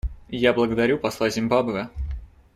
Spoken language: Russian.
Я благодарю посла Зимбабве.